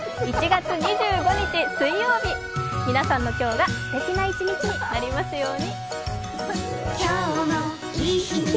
１月２５日水曜日、皆さんの今日がすてきな一日になりますように。